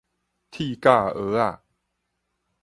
鐵甲蚵仔